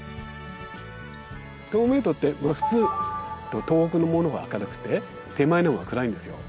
透明度って普通遠くのものが明るくて手前のほうが暗いんですよ。